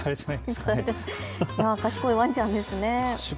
賢いワンちゃんですね。